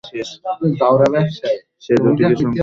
সে দুটি সংকেত দেখাচ্ছে।